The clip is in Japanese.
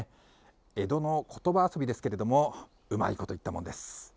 江戸のことば遊びですけれども、うまいこと言ったもんです。